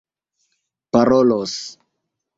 parolos